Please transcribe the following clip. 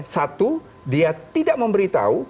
satu dia tidak memberitahu